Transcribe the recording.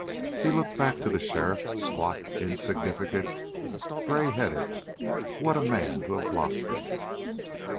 He looked back to the sheriff, squat, insignificant, gray headed. What a man to have blocked him!